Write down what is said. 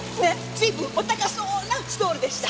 随分お高そうなストールでした。